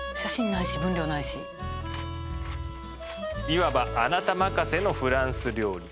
いわばあなた任せのフランス料理。